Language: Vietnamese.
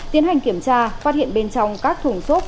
tiến hành kiểm tra phát hiện bên trong các thùng xốp